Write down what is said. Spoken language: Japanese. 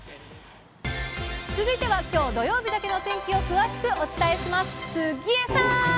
続いてはきょう土曜日だけの天気を詳しくお伝えします。